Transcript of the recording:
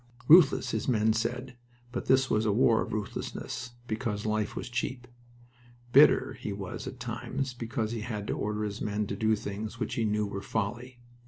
"Ruthless," his men said, but this was a war of ruthlessness, because life was cheap. Bitter he was at times, because he had to order his men to do things which he knew were folly.